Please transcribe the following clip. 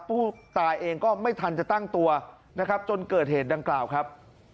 ผู้ตายเองก็ไม่ทันจะตั้งตัวนะครับจนเกิดเหตุดังกล่าวครับ